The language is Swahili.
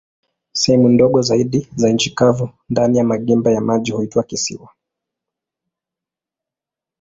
Sehemu ndogo zaidi za nchi kavu ndani ya magimba ya maji huitwa kisiwa.